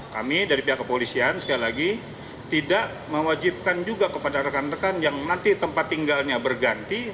kami dari pihak kepolisian sekali lagi tidak mewajibkan juga kepada rekan rekan yang nanti tempat tinggalnya berganti